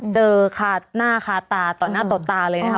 เจอหน้าคาตาหน้าตดตาเลยนะคะ